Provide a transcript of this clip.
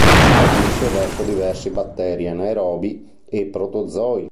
Agisce verso diversi batteri anaerobi e protozoi.